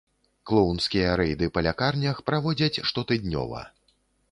Клоўнскія рэйды па лякарнях праводзяць штотыднёва.